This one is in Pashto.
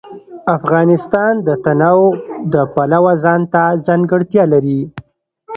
افغانستان د تنوع د پلوه ځانته ځانګړتیا لري.